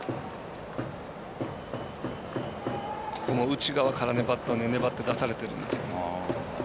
内側からバッター粘って出されてるんです。